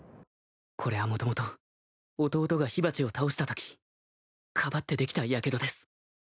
これはもともと弟が火鉢を倒したときかばってできたやけどです